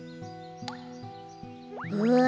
うわ。